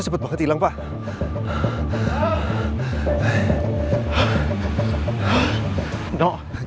cepet banget ilang pak